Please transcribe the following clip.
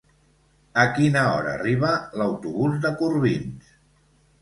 A quina hora arriba l'autobús de Corbins?